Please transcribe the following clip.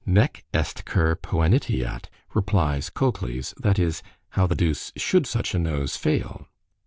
——"Nec est cur poeniteat," replies Cocles; that is, "How the duce should such a nose fail?"